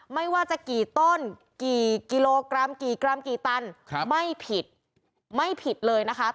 ไม่ว่าจะกี่ต้นกี่กิโลกรัมกี่กรัมกี่ตันไม่ผิดไม่ผิดเลยนะคะ